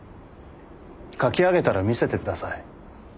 書き上げたら見せてください。